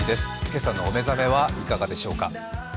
今朝のおめざはいかがでしょうか。